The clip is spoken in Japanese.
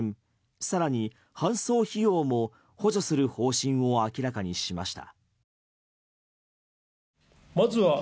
更に、搬送費用も補助する方針を明らかにしました。